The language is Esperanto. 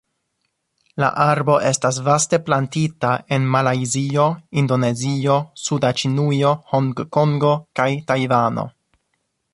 La arbo estas vaste plantita en Malajzio, Indonezio, suda Ĉinujo, Hongkongo kaj Tajvano.